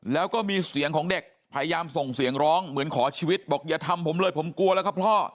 แล้วก็มีเสียงของเด็กพยายามส่งเสียงร้องเหมือนขอชีวิตบอกอย่าทำผมเลยผมกลัวแล้วครับพ่อ